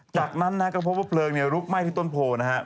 จากนั้นก็พบว่าเพลิงเนี่ยลุกไหม้ที่ต้นโผล่นะครับ